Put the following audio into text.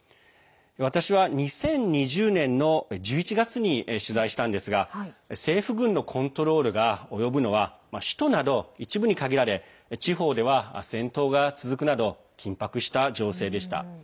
私は、２０２０年の１１月に取材したんですが政府軍のコントロールが及ぶのは首都などに一部に限られ地方では戦闘が続くなど緊迫した情勢でした。